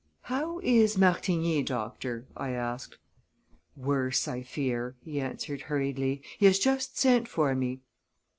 "How is Martigny, doctor?" I asked. "Worse, I fear," he answered hurriedly. "He has just sent for me."